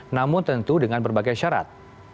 namun tentu dengan berbagai syarat